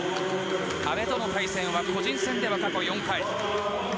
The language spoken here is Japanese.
阿部との対戦は個人戦では過去４回。